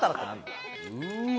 うわ